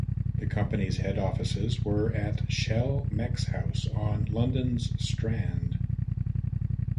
The company's head offices were at Shell Mex House on London's Strand.